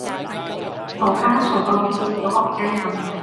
嘈交嘈到好似小學雞噉